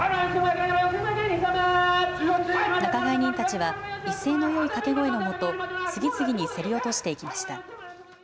仲買人たちは威勢のよい掛け声のあと次々に競り落としていきました。